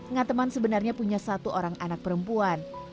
nggak teman sebenarnya punya satu orang anak perempuan